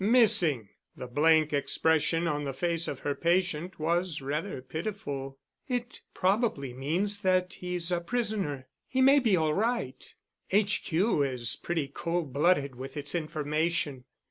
Missing! The blank expression on the face of her patient was rather pitiful. "It probably means that he's a prisoner. He may be all right. H.Q. is pretty cold blooded with its information."